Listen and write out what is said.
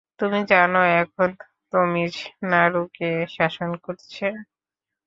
তুমি জানো এখন তমিজ নাড়ু কে শাসন করছে?